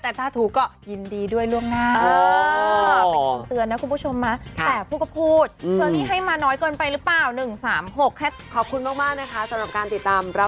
แต่ถ้าถูกก็ยินดีด้วยล่วงหน้าเออเป็นของเชือนนะคุณผู้ชมนะ